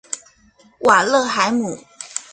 瓦勒海姆。